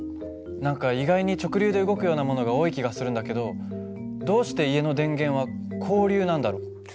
何か意外に直流で動くようなものが多い気がするんだけどどうして家の電源は交流なんだろう？